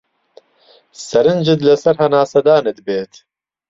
سەرنجت لەسەر هەناسەدانت بێت.